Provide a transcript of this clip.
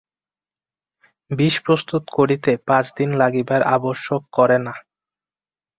বিষ প্রস্তুত করিতে পাঁচ দিন লাগিবার আবশ্যক করে না।